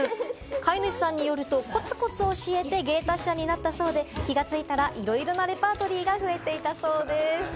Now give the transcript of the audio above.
飼い主さんによると、コツコツ教えて芸達者になったそうで、気がついたらいろいろなレパートリーが増えていたそうです。